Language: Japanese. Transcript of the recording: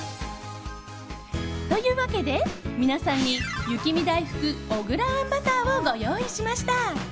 というわけで、皆さんに雪見だいふく小倉あんバターをご用意しました。